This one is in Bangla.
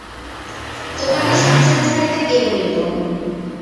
তোমাকে সংসার ছাড়িতে কে বলিল।